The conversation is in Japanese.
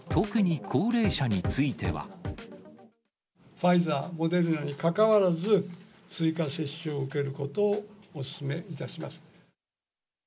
ファイザー、モデルナに関わらず、追加接種を受けることをお勧めいたします。